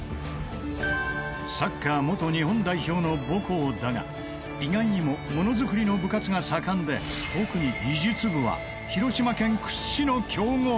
サッカー元日本代表の母校だが意外にもモノづくりの部活が盛んで特に技術部は広島県屈指の強豪